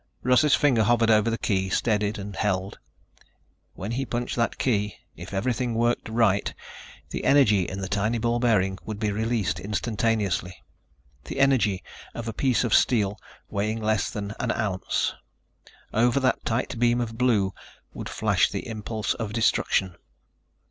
Russ's finger hovered over the key, steadied and held. When he punched that key, if everything worked right, the energy in the tiny ball bearing would be released instantaneously. The energy of a piece of steel, weighing less than an ounce. Over that tight beam of blue would flash the impulse of destruction....